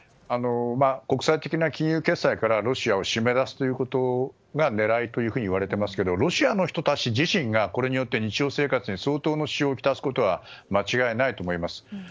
国際的な金融決済からロシアを締め出すということが狙いといわれていますがロシアの人たち自身がこれによって日常生活に相当の支障をきたすことは間違いないと思います。